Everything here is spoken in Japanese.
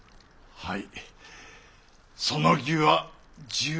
はい。